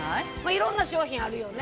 いろんな商品あるよね。